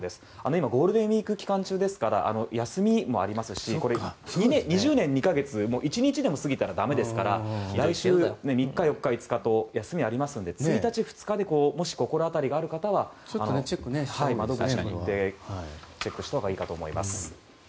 今、ゴールデンウィーク期間中ですから休みもありますしこれ、２０年２か月１日でも過ぎたら駄目ですから来週、３日、４日、５日と休みがありますので１日、２日でもし心当たりがある方は窓口に行ってチェックしたほうがいいかと思います。